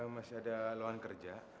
masih ada lawan kerja